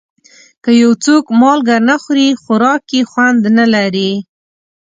که یو څوک مالګه نه خوري، خوراک یې خوند نه لري.